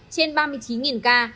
trên ba mươi chín ca